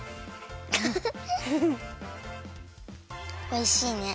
おいしいね。